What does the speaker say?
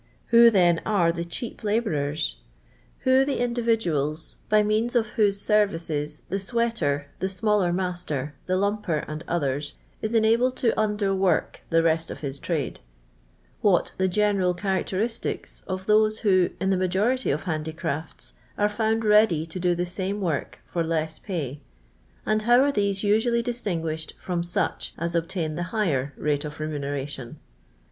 Who. th n. ar.' th cheap labiurers .' wiio the in iivMuab, by meann of > LONDOir LABOUR AND TUE LOXDON POOR. 383 whose services the sxfenter, the smaller master, the lumper, and others, is enabled to underwork the rest of his trade] — what the general character istics of those who, in the majority of handicrafts, arc found ready to do the same work for less pay, and how are these usually distinguished from such as obtiiin the higher rate of remuneration